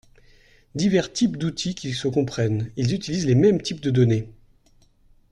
divers types d'outils qui se comprennent : ils utilisent les mêmes types de données.